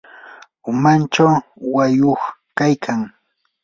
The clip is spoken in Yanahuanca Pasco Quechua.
umanchaw uwayuq kaykan.